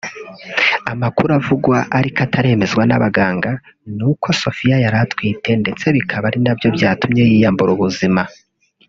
Amakuru avugwa ariko ataremezwa n’ abaganga ni uko Sofia yari atwite ndetse bikaba ari nabyo byatumye yiyambura ubuzima